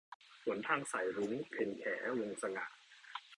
สวนทางสายรุ้ง - เพ็ญแข วงศ์สง่า